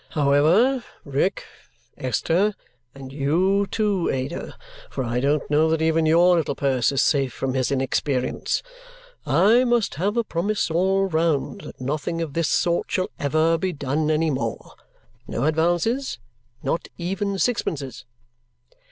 "However, Rick, Esther, and you too, Ada, for I don't know that even your little purse is safe from his inexperience I must have a promise all round that nothing of this sort shall ever be done any more. No advances! Not even sixpences."